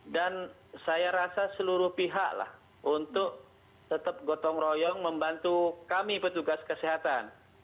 dan saya rasa seluruh pihaklah untuk tetap gotong royong membantu kami petugas kesehatan